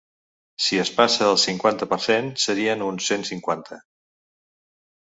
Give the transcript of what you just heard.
Si es passa al cinquanta per cent, serien uns cent cinquanta.